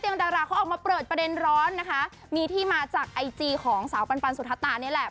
ดาราเขาออกมาเปิดประเด็นร้อนนะคะมีที่มาจากไอจีของสาวปันปันสุธตานี่แหละ